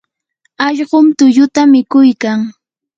allqum tulluta mikuykan.